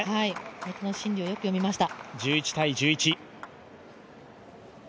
敵の心理をよく読みました。